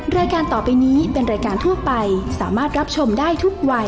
รายการต่อไปนี้เป็นรายการทั่วไปสามารถรับชมได้ทุกวัย